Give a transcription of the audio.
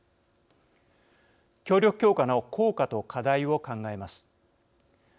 協力強化の効果と課題を考えます。